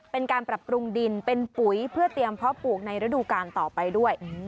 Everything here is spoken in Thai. เป็นการปรับปรุงดินเป็นปุ๋ยเพื่อเตรียมเพาะปลูกในฤดูการต่อไปด้วย